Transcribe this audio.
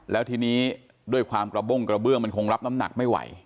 แล้วทีนี้ด้วยความกระบ้งกระเบื้องมันคงรับน้ำหนักไม่ไหว